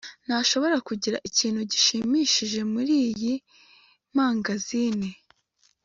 ntushobora kugura ikintu gishimishije muriyi mangazini